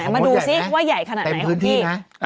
มาดูซิว่าใหญ่ขนาดไหนของพี่